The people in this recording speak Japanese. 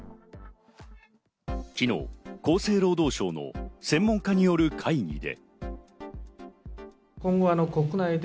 昨日、厚生労働省の専門家による会議で。